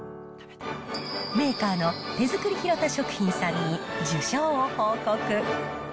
メーカーの手造りひろた食品さんに受賞を報告。